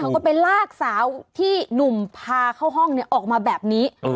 เขาก็ไปลากสาวที่หนุ่มพาเข้าห้องออกมาแบบนี้